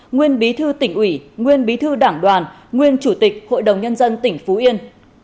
nguyên bí thư tỉnh ủy nguyên bí thư đảng đoàn nguyên chủ tịch hội đồng nhân dân tỉnh phú yên